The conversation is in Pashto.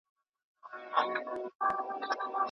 زه به درځم چي انار پاخه وي